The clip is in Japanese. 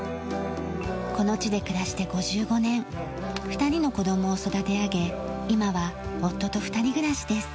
この地で暮らして５５年２人の子供を育て上げ今は夫と２人暮らしです。